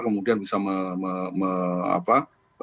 kemudian bisa memusnahkan